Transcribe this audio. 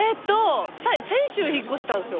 先週引っ越したんですよ。